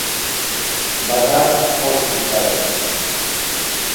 Dadam qo’l siltadi: